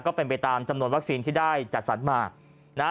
ก็เป็นไปตามจำนวนวัคซีนที่ได้จัดสรรมานะฮะ